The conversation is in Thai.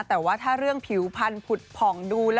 แต่ว่าถ้าเรื่องผิวพันธุ์ผุดผ่องดู